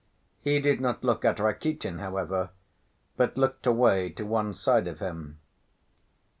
He did not look at Rakitin, however, but looked away to one side of him.